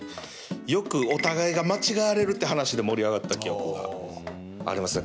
よくお互いが間違われるって話で盛り上がった記憶がありますね。